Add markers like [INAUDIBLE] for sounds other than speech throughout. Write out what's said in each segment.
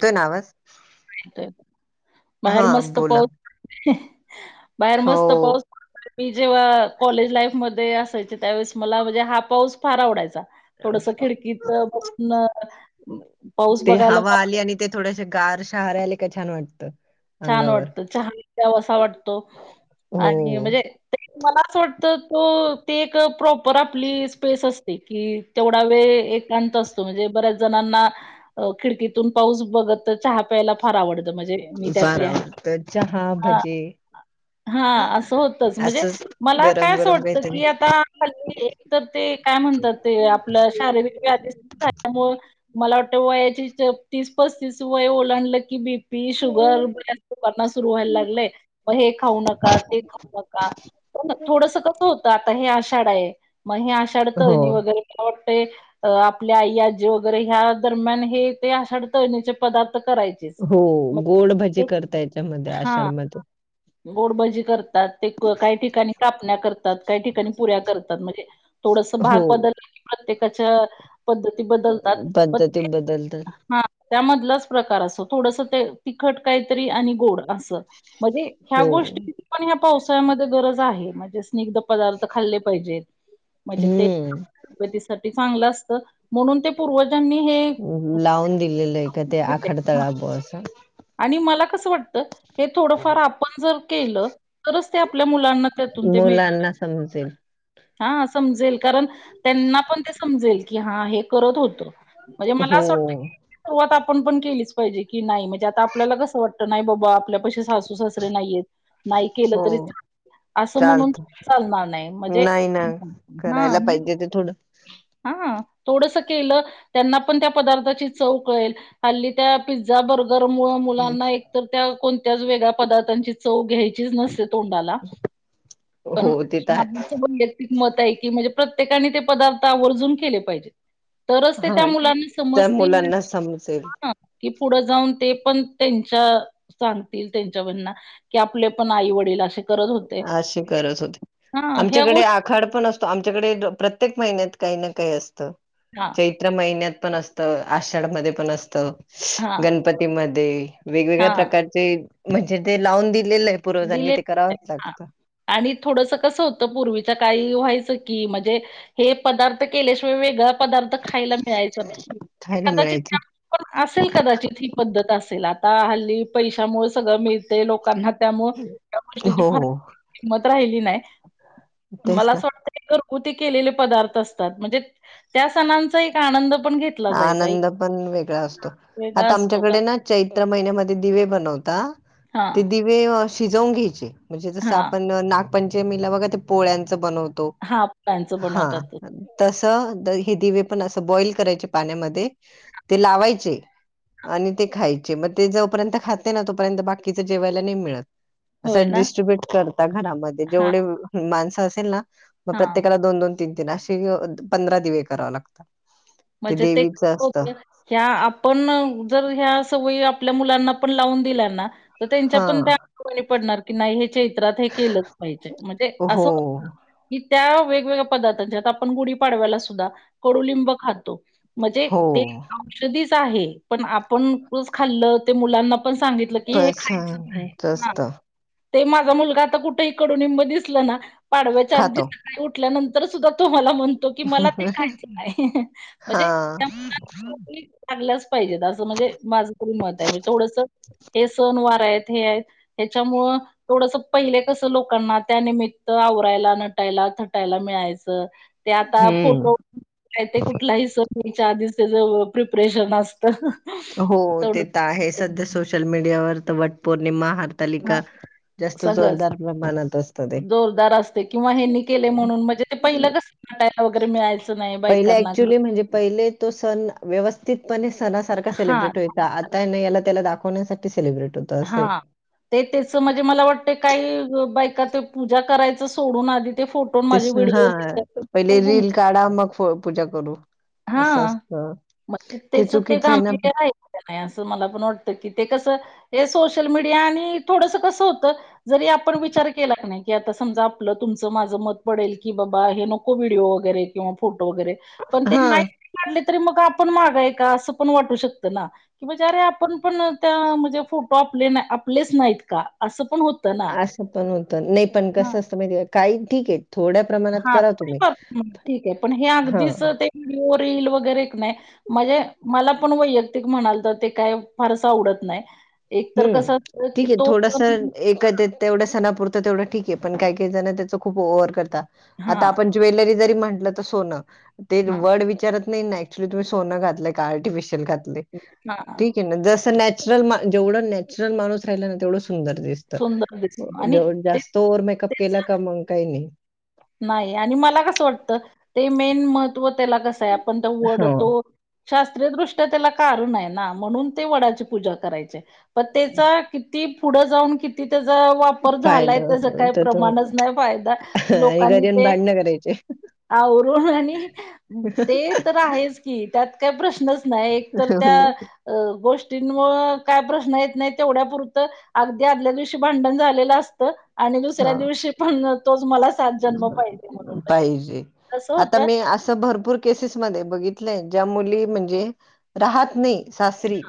तोय नावास बाहेर मस्त बोला. पाऊस [UNINTELLIGIBLE] बाहेर मस्त पाऊस हो. मी जेव्हा कॉलेज लाईफ मध्ये असायचे त्यावेळेस मला म्हणजे हा पाऊस फार आवडायचा थोडसं खिडकीत बसून पाऊस ते बघायला हवा फार आली आणि ते थोडसे गार शहारे. आले की छान वाटतं छान अंगावर वाटत छान दव असा वाटतो हो आणि म्हणजे मला असं वाटतं तो ते एक प्रॉपर आपली स्पेस असते की, तेवढा वेळ एकांत असतो म्हणजे बऱ्याच जणांना खिडकीतून पाऊस बघत चहा त्याला फार आवडत म्हणजे मी त्या [UNINTELLIGIBLE] चहा भजी हा असं होतचं म्हणजे मला काय गरम असं गरम वाटतं काहीतरी की आता तर ते काय म्हणतात ते आपलं शारीरिक व्याधी सुधा हो मला वाटतं वयाची [UNINTELLIGIBLE] तीस पस्तीस वय ओलांडलं की बी पी शुगर बऱ्याना सुरू व्हायला लागलंय मग हे खाऊ नका ते खाऊ नका हो ना थोडस कसं होतं आता हे आषाढ आहे मग हे आषाढ हो तळणी वगैरे [UNINTELLIGIBLE] अ आपल्या आई आजी वगैरे ह्या दरम्यान हे ते आषाढ तळणीचे पदार्थ करायचेच हो गोड भजी करता याच्यामध्ये आषाढमध्ये गोडभजी करतात ते को काही ठिकाणी कापण्या करतात काही ठिकाणी पुऱ्या करतात म्हणजे थोडस भाग हो बदल प्रत्येकाच्या पद्धती बदलतात पद्धती बदलतात [UNINTELLIGIBLE] हां त्यामधलाचं प्रकार असो थोडस ते तिखट काहीतरी आणि गोड असं म्हणजे ह्या हो गोष्टींची पण ह्या पावसाळ्यामध्ये गरज आहे म्हणजे स्नि्ग्ध पदार्थ खाल्लेपाहिजेत म्हणजे हम्म तब्येतीसाठी चांगलं असत म्हणून. पूर्वजांनी हे लावून दिलेलं आहे का ते आखडतळा ब असं आणि मला. कसं वाटतं हे थोडं फार आपण जर केलं तरच ते आपल्या मुं. मुलांना समजेल. हा समजेल कारण त्यांना पण ते समजेल की हा हे करत होतो. म्हणजे मला हो असं वाटतं सुरुवात आपण पण केलीच पाहिजे की नाही म्हणजे आता आपल्याला कसं वाटतं. नाही बाबा आपल्या पशी सासू सासरे नाहीयेत नाही केलं हो तरी. असं म्हणून चालत चालणार नाही म्हणजे हा. करायला पाहिजे ते थोडं हा थोडस केलं. त्यांना पण त्या पदार्थाची चव कळेल हल्ली त्या पिझझा बर्. मुलांना एक तर त्या कोणत्या वेगळ्या पदार्थांची. चव घ्यायची नसते तोंडाला पण. हो ते तर आहे क मत आहे की म्हणजे प्रत्येकाने ते पदार्थ आवर्जून केले पाहिजे. तरच ते हा त्या मुलांना त्या समजतील. मुलांना समजेल ह कि पुढं जाऊन ते पण त्यांच्या सांगतील त्यांच्यावरना. की आपले पण आई वडील असे. करत होते. अशी करत होते हां ह्या आमच्याकडे गोष्टी आ. खाड पण असतो आमच्याकडे प्रत्येक महिन्यात काही ना काही असत. हां, चैत्र महिन्यात पण असतं आषाढ मध्ये पण असतं हां, गणपतीमध्ये. वेगवेगळ्या हां प्रकारचे म्हणजे ते लावून दिलेलंय पूर्वजांनी दिले ते करावंच लागत. आणि थोडंसं कसं होतं पूर्वीच्या काळी व्हायचं की म्हणजे. हे पदार्थ केल्याशिवाय वेगळा पदार्थ खायला मिळायच... खायला कदाचित मिळायचं त्या. पण असेल कदाचित ही पद्धत असेल आता हल्ली पैशामुळं सगळं मिळतंय लोकांना. त्यामुळे त्या गोष्टीची हो फार हो किंमत राहिली नाय तेच मला ना असं वाटतंय. ते घरगुती केलेले पदार्थ असतात म्हणजे त्या सणांचा एक आनंद पण घेत. आनंद पण वेगळा असतो वेगळा आता असतो कारण आमच्याकडेना. चैत्र महिन्यामध्ये दिवे बनवता ते हां, दिवे अ शिजवून घ्यायचे. म्हणजे जसं हां. आपण नागपंचमीला बघा ते पोळ्यांच बनवतो. हां, फळांचं हा बनवतात ते. तस हे दिवे पण असं बॉईल करायचे. पाण्यामध्ये ते लावायचे. आणि ते खायचे मग ते जोपर्यंत खाते ना तोपर्यंत बाकीच जेवायला नाही मिळत. होय असं ना? डिस्ट्रीब्युट करता घरामध्ये हां, जेवढे माणसं असेल ना मग हां. प्रत्येकाला दोन दोन. तीन तिन अशी पंधरा दिवे कराव लागतात. म्हणजे ते देवीचं असतं कोरलेल हाय. त्या आपण जर ह्या सवयी आपल्या मुलांना पण लावून दिल्या ना. तर त्यांच्या हा पण ते अंगवळणी पडणार की नाही हेचे. घरात हे केलंच पाहिजे म्हणजे असं. हो की त्या वेगवेगळ्या पदार्थांच्यात आपण गुढीपाडव्याला सुद्धा कडूलिंब खातो. म्हजे हो. ते औषधीचं आहे पण आपण रोज खाल्लं ते मुलांना. पण सांगितलं की हे बस खायचंच नाय ना. असत ते माझा मुलगा आता कुठही कडूनिंब दिसल ना पाडव्याच्या आधीच. खातो सकाळी उठल्यानंतर सुद्धा तो मला म्हणतो की मला ते खायचं नाय हं हं. हा म्हणजे त्या [UNINTELLIGIBLE] खाल्याचं पाहिजेत असं म्हणजे माझ तरी मत हाय म्हणजे थोडसं. हे सणवार हायत हे हायत ह्याच्यामुळं. थोडसं पहिले कसं लोकांना त्यानिमित्त आवरायला नटायला थटायला मिळायचं. ते आता हम्म. फोटो. काय ते कुठलाही सण यायच्या आधीच त्याच प्रिपरेशन असत. हो ते तर आहेच सध्या सोशल मीडियावर तर वटपौर्णिमा हा हारतालिका जास्त सगळंच जोरदारण म्हणत असत ते. जोरदार असते किंवा ह्यांनी केले म्हणून म्हणजे ते काय लवकर मिळायचं नाय पहिले ॲक्च्युली म्हणजे पहिले तो सण व्यवस्थितपणे सणासारखा हां, सेलिब्रेट होई. ता आता नाय याला त्याला दाखवण्यासाठी सेलिब्रेटी होत. हां. ते त्याचं म्हणजे मला वाटतंय काही बायका ते पूजा करायचं सोडून आधी ते फो ते स हां पहिले रील काढा, मग फो पूजा करू. असं हां असतं. मग ते त्याच ते चुकीचं आहे ना गंबीरे नाय. ते नाय असं मला पण वाटतं की ते कसं हे सोशल मीडिया आणि थोडसं कसं होतं. जरी आपण विचार केला कनाय की आता समजा आपलं तुमचं माझं मत पडेल की बाबा हे नको व्हिडिओ वगैरे किंवा फोटो वगैरे पण ते हा. नाईत काढले तरी मग आपण मागा एका असं पण वाटू शकत ना. बिचारे आपण पण त्या म्हणजे फोटो आपले -ना आपलेच नाहीत का असं पण होत असं पण होत नाही पण कसं असतं म्हणजे काही ठीकेय थोडं हां [UNINTELLIGIBLE] मग ठीकेय पण हे हा अगदीच ते व्हिडिओ रील वगैरे एक नाय म्हणजे, मला पण वयक्तिक म्हणाल तर ते काय फारस आवडत नाय. हं.. ठीकेय थोडस एखादं तेवढं सणापुरत तेवढं ठीकेय पण काही काहीजण त्याच खूप ओव्हर करता आता हां, आपण ज्वेलरी जरी म्हटल तरी ते सोनं तेन हां. वड विचारत नाई नाय नॅचरल तुम्ही सोनं घातलंय का आर्टिफिशयल करते हां, ठीकेय मग जस नॅचरल मा जेवढं नॅचरल माणूस राहिला ना तेवढं सुंदर दिसत सुंदर दिसतो आणि जेवढं ते जास्त ओव्हर मेकअप ते केला का मंग काहींनी नाही आणि मला कसं वाटत ते मेन महत्त्व तेलाचं असतंया फक्त वड हो. तो शास्त्रीयदृष्ट्या त्याला कारण हाय ना म्हणून ते वडाची पूजा करायचे. पण तेचा किती पुढं जाऊन किती त्याजा वाप वापर झालाय फायदा तसा काही तर तो प्रमाणच नाही पहायचा. आणि लोकांनी घरी येऊन ते भांडणं करायचे. आवरू आणि ते तर आहेच. त्यात काय प्रश्नच नाय एक तर त्या हो ना. अ गोष्टींमुळ काय प्रश्न येत नाही तेवढ्यापुरतं अगदी आदल्या दिवशी भांडण झालेलं असतं. आणि दुसऱ्या हां. दिवशी पण तोच मला सात जन्म पाहिजे म्हणूनफेरे कसं होतं. अस भरपूर केसेस मध्ये बघितलंय ज्या मुली म्हणजे राहात नाही. सासरी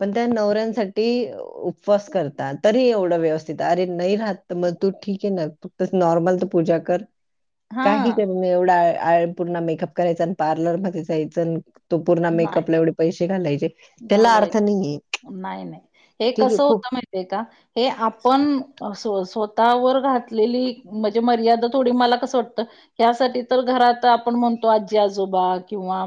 पण त्या नवऱ्यांसाठी उपवास करतात तरी एवढं व्यवस्थित अरे नाही राह तर मग तू ठीक आहे ना तस नॉर्मल तर पूजा कर काही हां कमी एवढा पूर्ण मेकअप करायचा आणि पार्लर मध्ये जायच तो पूर्ण मेकअपला एवढ पैसे घालायचे. त्याला अर्थ घालवायच नाहीये. नाही नाही हे ठीक आहे कसं खूप होत माहितीय का हे आपण स्वतःवर घातलेली म्हणजे मर्यादा थोडी मला कसं वाटतं. यासाठी तर घरात आपण म्हणतो आजी आजोबा किंवा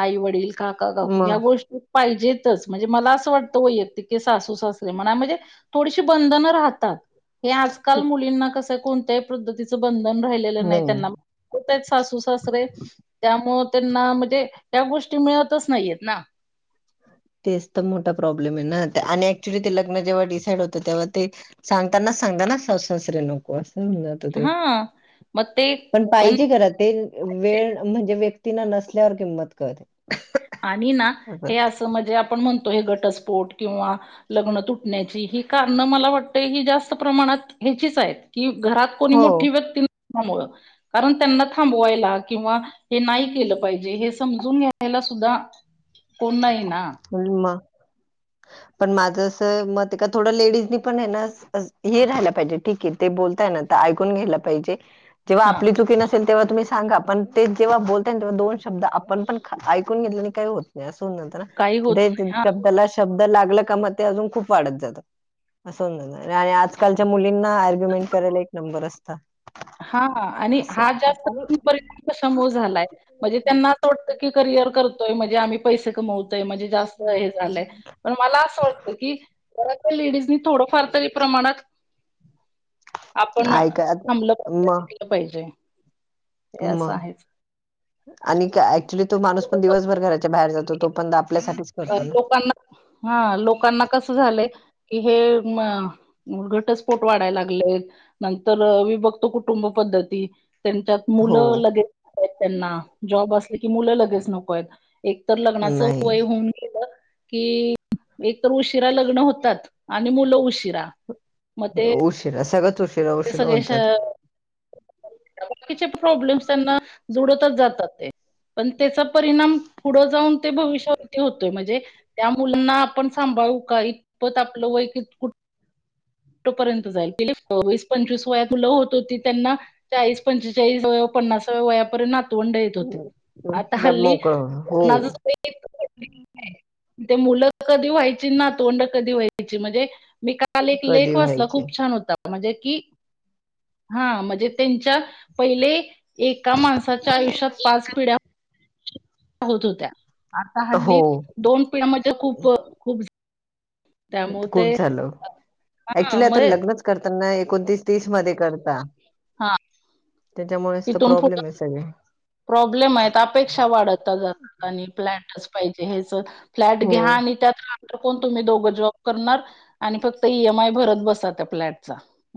आई वडील काका काकू ह्या मग गोष्टी पाहिजेतच म्हणजे मला असं वाटतं वैयक्तिक हे सासू सासरे म्हणा म्हणजे थोडीशी बंधनं राहतात. हे आजकाल खूप मुलींना कसं कोणत्याही पद्धतीचं बंधन राहिलेलं नाही त्यांना कुठआहेत सासू सासरे त्यामुळ त्यांना म्हणजे त्या गोष्टी मिळतच नाहीयेत ना. तेच तर मोठा प्रॉब्लेमे ना. आणि ऍक्च्युली ते लग्न जेव्हा डिसाईड होतं. तेव्हा ते सांगतानाच सांगताना. सासूसासरे नको असं [UNINTELLIGIBLE] हा, म ते पण पण पाहिजे घरात ते. वेळ म्हणजे व्यक्ती ना नसल्यावर किंमत कळते. आणि ना हे असं म्हणजे आपण म्हणतो. हे घटस्फोट किंवा लग्न तुटण्याची ही कारण मला वाटत ही जास्त प्रमाणात ह्याचीच आहे. की घरात कोणी हो. मोठी व्यक्ती [INAUDIBLE] मुंळ कारण त्यांना थांबवायला. किंवा हे नाही केलं पाहिजे. हे समजून घ्यायला सु द्धा कोण नाही ना. अन म. ह [INAUDIBLE] पण माझं अस मते का, थोडं लेडीजनी पणे ना हे राहिला पाहिजे. ठीके ते बोलताय ना ऐकून घ्यायला पाहिजे. जेव्हा हां. आपली चुकी नस तेन तेव्हा तुम्ही सांगा. पण तेच जेव्हा बोलता तेव्हा दोन शब्द आपण पण ऐकून घेतलेने काही होत नसत ना. काही होत ते नाही. शब्दाला शब्द लागला का मग ते अजून खूप वाढत जात. [UNINTELLIGIBLE] आणि आजकालच्या मुलींना आर्ग्युमेंट करायला एक नंबर अस हा आणि हा हां, जास्त परिणाम कशा मुळ झालाय? म्हणजे त्यांना आणि अस वाटत की करियर करतोय. म्हणजे आम्ही पैसे कमवतोय. म्हणजे जास हे झालंय. पण मला असं वाटत की, घरल्या लेडीजनी थोडंफार तरी प्रमाणात [INAUDIBLE] ऐका आ, म? केलं पाहिजे. हे म असं आहेच. आणि का आक्चुली तो माणूस पण दिवसभर घराच्या बाहेर जातो. तो पण आपल्यासाठीच अ, करतो ना. लोकांना, हा. लोकांना कसं झालंय. की हे म घटस्फोट वाढायला लागले. नंतर विभक्त कुटुंब पद्धती. त्यांच्यात हो मुलं लगेच नको येत त्यांना. जॉब असल की मुलं लगेच नकोयेत. एक तर लग्नाचं नाही वय होऊन कि एक तर उशिरा लग्न होतात. आणि मुलं उशिरा, मग उशीरा. सगच उशी ते सगळे अस बाकीचे प्रॉब्लेम्स त्यांना जूडतच जातात ते. पण त्याचा परिणाम पुढं जाऊन ते भविष्यावरती होतोय. म्हणजे त्या मुलांना आपण सांभाळू का? इतपत आपलं वय किती कुठ ठ पर्यंत जाईल. वीस पंचवीस वयात मुल होत होती त्यांना चाळीस पंचेचाळीस वय, पन्नासाव्या वयापर्यंत नात वंड येत होते. आता एकदम हल्ली मोकळं होणं. हो कुणाचच ते मुलं कधी व्हायचीन. नतवंड कधी व्हायची. म्हणजे मी काल एक कधी लेख वाचला. व्हायचे खूप छान होता. म्हणजे की, हा. म्हणजे त्यांच्या पहिले एका माण साच्या आयुष्यात पाच पिढ्या होत होत्या. आता हो हल्ली दोन पिढ्यामध्ये खूप खूप त्यामुळे खूप ते झालं. हा ऍक्च्युली मग आता लग्नच करताना एकोणतीस तीस मध्ये करता. हा त्याच्यामुळेच त तिथून पुढ प्रॉब्लेमे स सगळे. प्रॉब्लेम आहेत अपेक्षा वाढत ता जातात आणि फ्लॅटच पाहिजे हेच फ्लॅट हो घ्या आणि त्यात राहणार कोण तुम्ही दोघं जॉब करणार आणि फक्त ई एम आय भरत बसा त्या फ्लॅटचा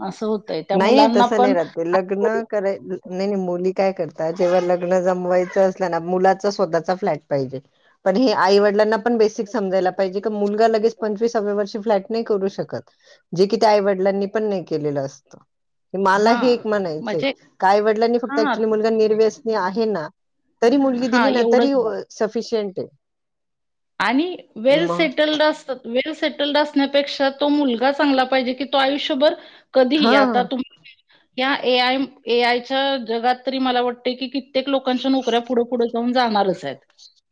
अस हो नाही तसं नाही राहत ते लग्न कराय नाही नाही मुली काय करतात जेव्हा लग्न जमवायचं असल ना मुलाचा स्वतःचा फ्लॅट पाहिजे पण हे आई वडलांना पण बेसिक समजायला पाहिजे का मुलगा लगेच पंचवीसाव्या वर्षी फ्लॅट नाही करू शकत जे कि त्या आई वडिलांनी पण नाही केलेलं अस त मला हा हे एक म्हणायचं म्हणजे का आई वडलांनी फक्त हा ऍक्च्युली मुलगा निर्व्यसनी आहे ना तरी मुलगी हा दिली ना तरी एवढंच अ सफिशियंट आहे आणि वेल म सेटल्ड अस वेल सेटल्ड असण्यापेक्षा तो मुलगा चांगला पाहिजे की तो आयुष्यभर कधी हा आता तुम या ए आय ए आयच्या जगात तरी मला वाटते की क प्रत्येक लोकांच्या नोकऱ्या पुढ पुढ जाऊन जाणारच आहेत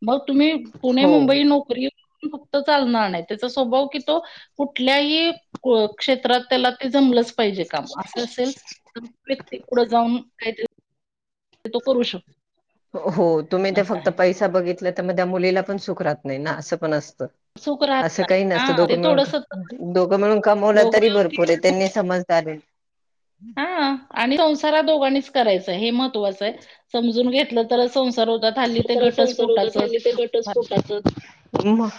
मग तुम्ही पुणे हो मुंबई नोकरी पण फक्त चालणार नाही त्याचा स्वभाव की तो कुठल्याही कोप क्षेत्रात त्याला ते जमलंच पाहिजे काम असं असेल तर व्यक्ती पुढं जाऊन काहीतरी तो करू शकतो हो तुम्ही ते असं फक्त आहे. पैसा बघितला तर मग त्या मुलीला पण सुख राहत नाही ना असं पण असतं सुख राहत असं नाही. काही हां, नसतं ते दोघं थोडंसं मिळून दोघं मिळून कमवल दोघं तरी मिळून भरपूर आहे त्यांनी समजदार आहेत हा आणि संसार हा दोघांनीच करायच हे महत्त्वाचं आहे समजून घेतलं तर संसार होतात हल्ली ते घटस्फोटाच च म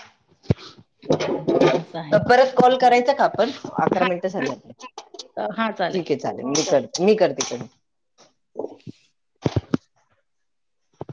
असं हाय परत कॉल करायचा का आपण अकरा मिनिटं हां. झाली ठीक आहे चालेल मी कर मी करते